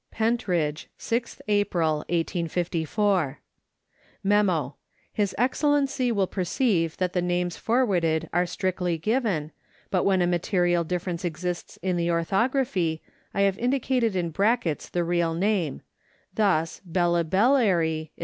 Pentridge, 6th April 1854. MEMO. His Excellency will perceive that the names for warded are strictly given, but when a material difference exists in the orthography, I have indicated in brackets the real name ; thus, (Bil li bel lary}, &c.